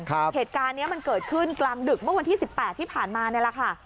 เหตุการณ์นี้มันเกิดขึ้นกลางดึกเมื่อวันที่สิบแปดที่ผ่านมานี่แหละค่ะ